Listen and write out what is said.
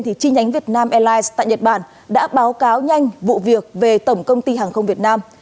thì chi nhánh việt nam airlines tại nhật bản đã báo cáo nhanh vụ việc về tổng công ty hàng không việt nam